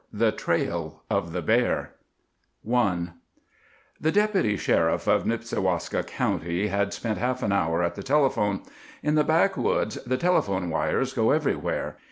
IV. THE TRAIL OF THE BEAR I The Deputy Sheriff of Nipsiwaska County had spent half an hour at the telephone. In the backwoods the telephone wires go everywhere.